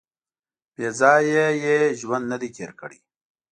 • بېځایه یې ژوند نهدی تېر کړی.